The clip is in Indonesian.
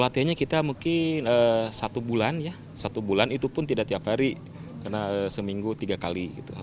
latihannya kita mungkin satu bulan ya satu bulan itu pun tidak tiap hari karena seminggu tiga kali